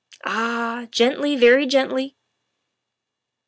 Ah! Gently very gently."